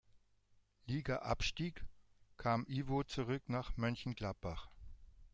Liga abstieg, kam Ivo zurück nach Mönchengladbach.